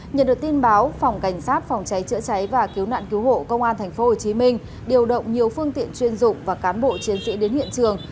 nhận được tin báo phòng cảnh sát phòng cháy chữa cháy và cứu nạn cứu hộ công an tp hcm điều động nhiều phương tiện chuyên dụng và cán bộ chiến sĩ đến hiện trường